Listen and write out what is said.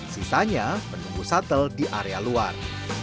sisanya menunggu shuttle di area luar